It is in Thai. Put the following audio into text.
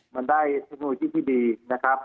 มันได้เทคโนโลยีที่ดีนะครับ